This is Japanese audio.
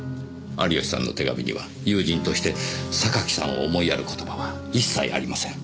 有吉さんの手紙には友人として榊さんを思いやる言葉は一切ありません。